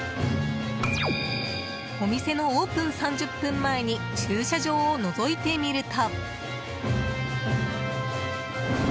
お店のオープン３０分前に駐車場をのぞいてみると。